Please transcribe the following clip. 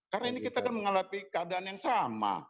karena ini kita kan mengalami keadaan yang sama